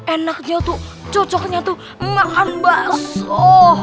enaknya tuh cocoknya tuh makan bakso